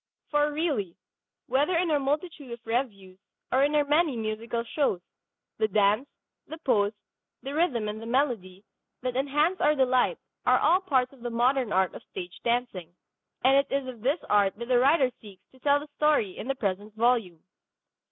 For really, whether in our multitude of revues or in our many musical shows, the dance, the pose, the rhythm and the melody that enhance our delight are all parts of the modern art of stage dancing. And it is of this art that the writer seeks to tell the story in the present volume.